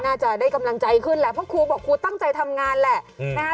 น่าจะได้กำลังใจขึ้นแหละเพราะครูบอกครูตั้งใจทำงานแหละนะคะ